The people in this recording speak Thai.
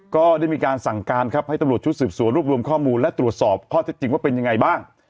ก็ได้มีการสั่งการครับให้ตำรวจชุดสืบสวนรวบรวมข้อมูลและตรวจสอบข้อเท็จจริงว่าเป็นยังไงบ้าง